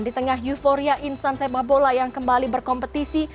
di tengah euforia insan sepak bola yang kembali berkompetisi